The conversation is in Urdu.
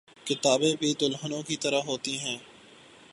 کتابیں بھی دلہنوں کی طرح ہوتی ہیں۔